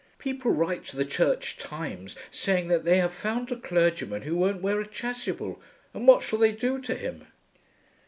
People write to the Church Times saying that they have found a clergyman who won't wear a chasuble, and what shall they do to him?